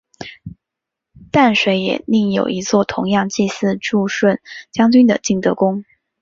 淡水也另有一座同样祭祀助顺将军的晋德宫。